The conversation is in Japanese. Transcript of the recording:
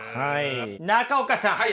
中岡さん。